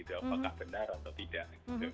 apakah benar atau tidak